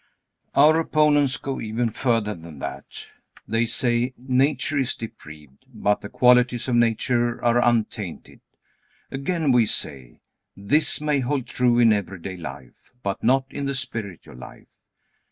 Our opponents go even further than that. They say, nature is depraved, but the qualities of nature are untainted. Again we say: This may hold true in everyday life, but not in the spiritual life.